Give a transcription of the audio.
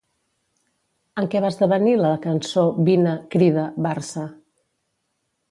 En què va esdevenir la cançó Vine, crida, Barça?